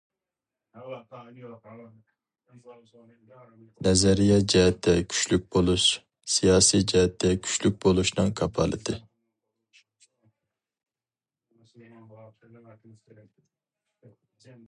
نەزەرىيە جەھەتتە كۈچلۈك بولۇش سىياسىي جەھەتتە كۈچلۈك بولۇشنىڭ كاپالىتى.